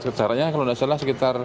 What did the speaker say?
sejarahnya kalau tidak salah sekitar